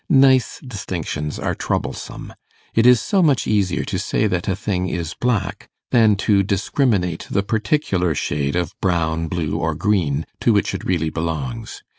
Nice distinctions are troublesome. It is so much easier to say that a thing is black, than to discriminate the particular shade of brown, blue, or green, to which it really belongs.